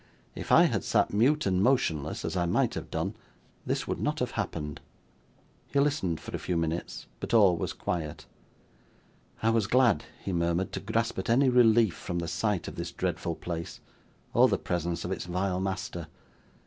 If I had sat mute and motionless, as I might have done, this would not have happened.' He listened for a few minutes, but all was quiet. 'I was glad,' he murmured, 'to grasp at any relief from the sight of this dreadful place, or the presence of its vile master.